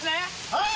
はい！